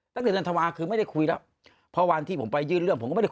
ตอนนั้นกว่าเขาไม่ให้หนุ่ม